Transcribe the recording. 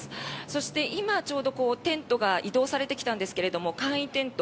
そして今ちょうどテントが移動されてきたんですが簡易テント